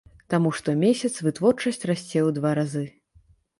Таму штомесяц вытворчасць расце ў два разы.